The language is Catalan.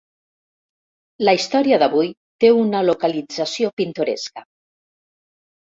La història d'avui té una localització pintoresca.